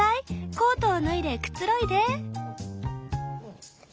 コートを脱いでくつろいで」。